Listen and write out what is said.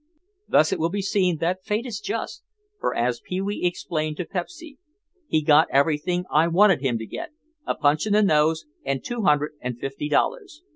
Thus it will be seen that fate is just for, as Pee wee explained to Pepsy, "He got everything I wanted him to get, a punch in the nose and two hundred and fifty dollars.